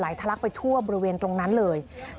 ทะลักไปทั่วบริเวณตรงนั้นเลย